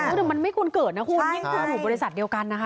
แต่มันไม่ควรเกิดนะคุณยิ่งเข้าของบริษัทเดียวกันนะคะ